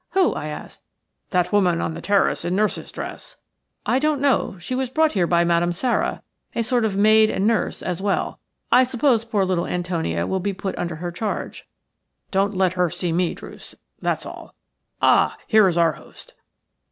"Who?" I asked. "That woman on the terrace in nurse's dress." "I don't know. She has been brought here by Madame Sara – a sort of maid and nurse as well. I suppose poor little Antonia will be put under her charge." "Don't let her see me, Druce, that's all. Ah, here is our host."